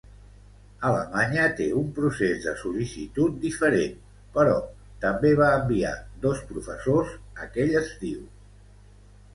Alemanya té un procés de sol·licitud diferent, però també va enviar dos professors aquell estiu.